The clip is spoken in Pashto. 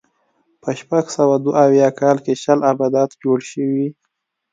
په شپږ سوه دوه اویا کال کې شل ابدات جوړ شوي.